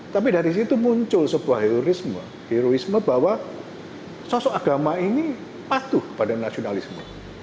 tapi dari situ muncul sebuah heroisme heroisme bahwa sosok agama ini patuh pada nasionalisme